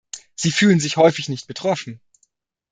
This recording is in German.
Sie fühlen sich häufig nicht betroffen.